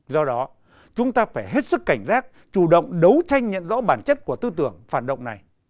do đó chúng ta phải hết sức cảnh giác chủ động đấu tranh nhận rõ bản chất của tư tưởng phản động này